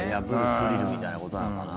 スリルみたいなことなのかな。